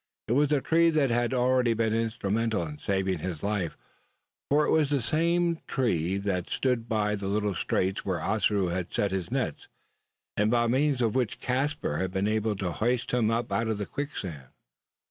It was a tree that had already been instrumental in saving his life: for it was the same that stood by the little straits where Ossaroo had set his nets, and by means of which Caspar had been enabled to hoist him up out of the quicksand.